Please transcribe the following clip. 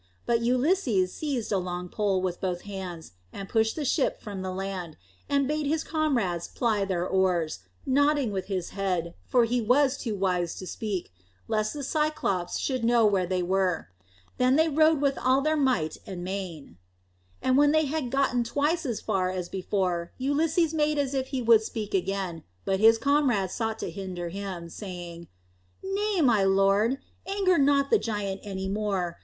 But Ulysses seized a long pole with both hands and pushed the ship from the land, and bade his comrades ply their oars, nodding with his head, for he was too wise to speak, lest the Cyclops should know where they were. Then they rowed with all their might and main. And when they had gotten twice as far as before, Ulysses made as if he would speak again; but his comrades sought to hinder him, saying, "Nay, my lord, anger not the giant any more.